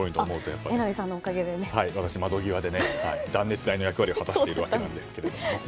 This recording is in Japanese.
私、窓際で断熱材の役割を果たしているわけですが。